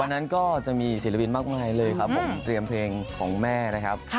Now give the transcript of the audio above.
นั้นก็จะมีศิลปินมากมายเลยครับผมเตรียมเพลงของแม่นะครับ